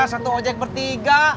satu ojek bertiga